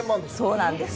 そうなんです。